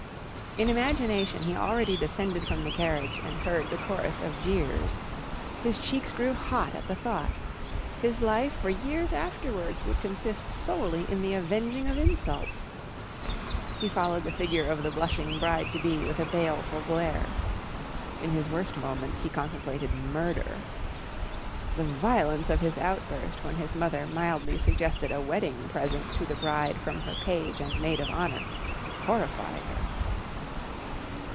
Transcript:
In imagination he already descended from the carriage and heard the chorus of jeers. His cheeks grew hot at the thought. His life for years afterwards would consist solely in the avenging of insults. He followed the figure of the blushing bride to be with a baleful glare. In his worst moments he contemplated murder. The violence of his outburst when his mother mildly suggested a wedding present to the bride from her page and maid of honour horrified her.